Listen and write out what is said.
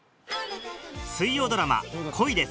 水曜ドラマ『恋です！